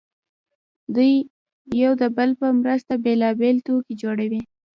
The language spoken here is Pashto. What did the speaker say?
دوی یو د بل په مرسته بېلابېل توکي جوړوي